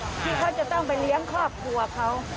ที่เขาจะต้องไปเลี้ยงครอบครัวเขา